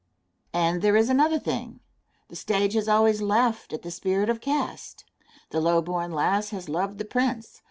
And there is another thing. The stage has always laughed at the spirit of caste. The low born lass has loved the prince.